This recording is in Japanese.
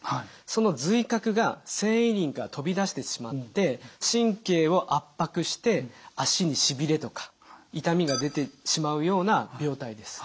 その髄核が線維輪から飛び出してしまって神経を圧迫して脚にしびれとか痛みが出てしまうような病態です。